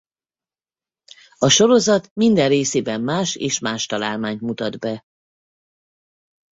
A sorozat minden részében más és más találmányt mutat be.